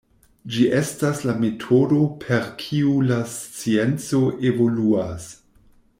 Ĝi estas la metodo per kiu la scienco evoluas.